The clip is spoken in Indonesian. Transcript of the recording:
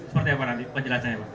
soal apa nanti penjelasannya